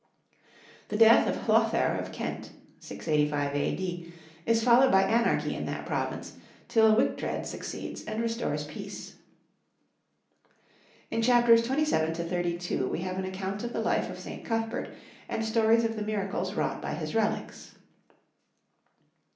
The death of Hlothere of Kent (685 A.D.) is followed by anarchy in that province, till Wictred succeeds and restores peace. In Chapters 27 32 we have an account of the life of St. Cuthbert and stories of the miracles wrought by his relics.